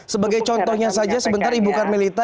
sebagai contohnya saja sebentar ibu karmelita